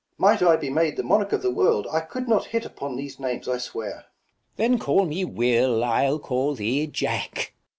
Mum. Might I be made the monarch of the world, 10 I could not hit upon these names, I swear. King. Then call me Will, I'll call thee Jack.